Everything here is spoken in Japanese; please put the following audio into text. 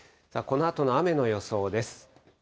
このあとの雨の予想です。